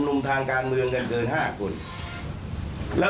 ปฏิตามภาพบังชั่วมังตอนของเหตุการณ์ที่เกิดขึ้นในวันนี้พร้อมกันครับ